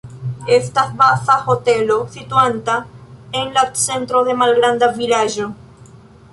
Estas baza hotelo situanta en la centro de malgranda vilaĝo.